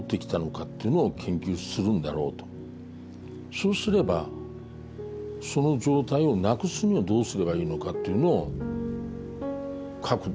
そうすればその状態をなくすにはどうすればいいのかっていうのを書く。